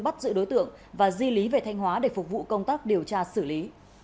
bắt giữ đối tượng và di lý về thanh hóa để phục vụ công tác điều tra xử lý